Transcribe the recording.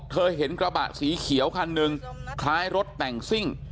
เห็นกระบะสีเขียวคันหนึ่งคล้ายรถแต่งซิ่ง